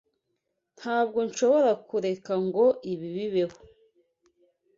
Ntabwo nshobora kureka ngo ibi bibeho.